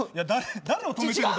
誰を止めてるの？